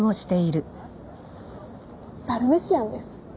ダルメシアンです。